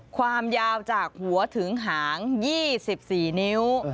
ความยาวจากหัวถึงหาง๒๔นิ้ว